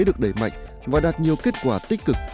được đẩy mạnh và đạt nhiều kết quả tích cực